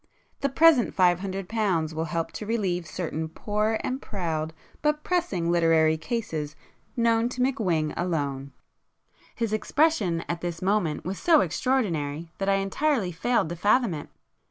The present five hundred pounds will help to relieve certain 'poor and proud' but pressing literary cases known to McWhing alone!" His expression at this moment was so extraordinary, that I entirely failed to fathom it.